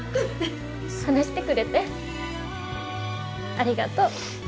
話してくれてありがとう。